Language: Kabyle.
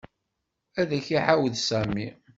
Ad ak-d-iɛawed Sami.